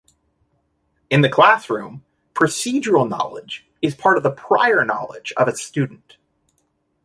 In the classroom, procedural knowledge is part of the prior knowledge of a student.